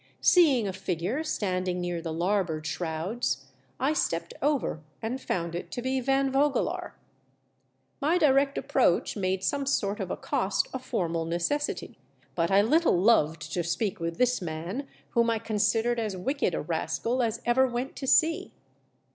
Seeing a figure standing near the larboard shrouds, I stepped over and found it to be Van Vogelaar. My direct approach made some sort of accost a formal necessity, but 1 little loved to speak with this man, whom I considered as wicked a rascal as ever went to sea.